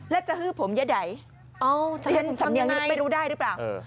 และจะฮื้อผมเยอะไหวไปรู้ได้หรือเปล่า